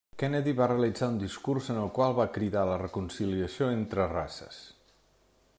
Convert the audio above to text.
Kennedy va realitzar un discurs en el qual va cridar a la reconciliació entre races.